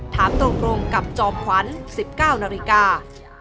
ถามตรงกับจอมขวัญ๑๙นาฬิกา